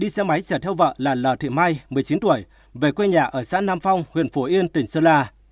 xe máy chở theo vợ là l thị mai một mươi chín tuổi về quê nhà ở xã nam phong huyện phủ yên tỉnh sơ la